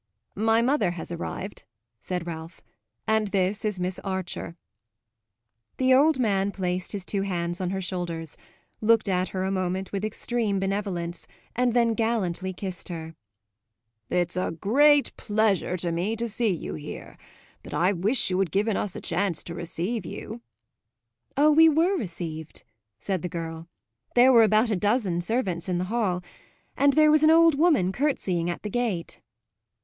"My mother has arrived," said Ralph, "and this is Miss Archer." The old man placed his two hands on her shoulders, looked at her a moment with extreme benevolence and then gallantly kissed her. "It's a great pleasure to me to see you here; but I wish you had given us a chance to receive you." "Oh, we were received," said the girl. "There were about a dozen servants in the hall. And there was an old woman curtseying at the gate."